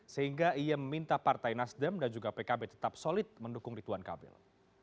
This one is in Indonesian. sehingga ia meminta partai nasdem dan juga pkb tetap solid mendukung rituan kamil